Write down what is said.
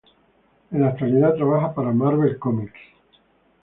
En la actualidad trabaja para "Marvel Comics".